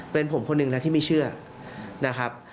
เป็นผมคนหนึ่งนะที่ไม่เชื่อนะครับ